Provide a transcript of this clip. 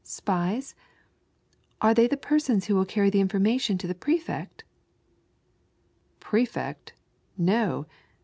" Spies ? are they the persons who will carry the information to the Prefect?" " Prefect, no.